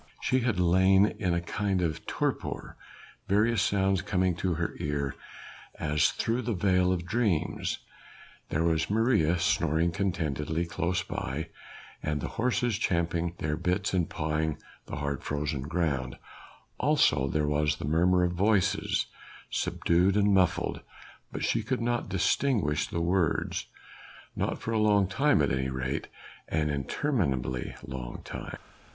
She had lain in a kind of torpor, various sounds coming to her ear as through the veil of dreams: there was Maria snoring contentedly close by, and the horses champing their bits and pawing the hard frozen ground, also there was the murmur of voices, subdued and muffled but she could not distinguish words. Not for a long time at any rate an interminably long time!